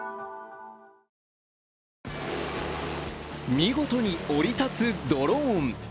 見事に降り立つドローン。